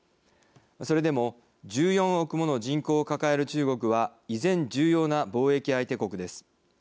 それでも１４億もの人口を抱える中国は依然、重要な貿易相手国です。